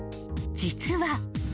実は。